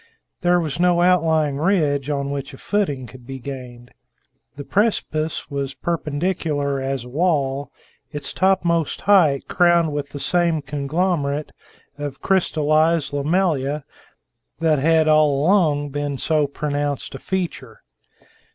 There was no outlying ridge on which a footing could be gained. The precipice was perpendicular as a wall, its topmost height crowned with the same conglomerate of crystallized lamellae that had all along been so pronounced a feature.